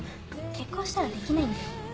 結婚したらできないんだよ？